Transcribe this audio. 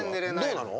どうなの？